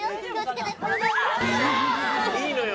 いいのよ。